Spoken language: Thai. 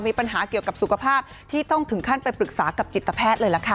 มีปัญหาเกี่ยวกับสุขภาพที่ต้องถึงขั้นไปปรึกษากับจิตแพทย์เลยล่ะค่ะ